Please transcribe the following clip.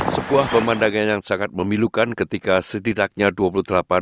sebuah pemandangan yang sangat memilukan ketika setidaknya dunia